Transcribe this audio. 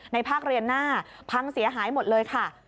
ภาคเรียนหน้าพังเสียหายหมดเลยค่ะ